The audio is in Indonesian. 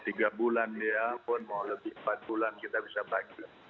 tiga bulan ya pun mau lebih empat bulan kita bisa panggil